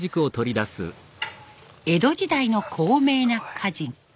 江戸時代の高名な歌人